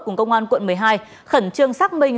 cùng công an quận một mươi hai khẩn trương xác minh